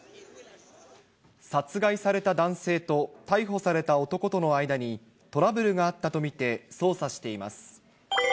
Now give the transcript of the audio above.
殺害された男性と逮捕された男との間に、トラブルがあったと見て捜査しています。